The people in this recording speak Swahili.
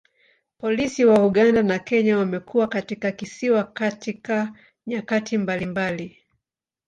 Polisi wa Uganda na Kenya wamekuwa katika kisiwa katika nyakati mbalimbali.